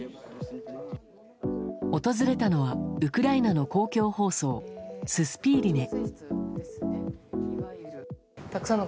訪れたのはウクライナの公共放送ススピーリネ。